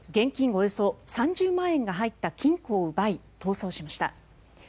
およそ３０万円が入った金庫を奪い逃走しました。